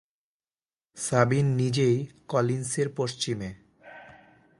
সাবিন নিজেই কলিন্সের পশ্চিমে।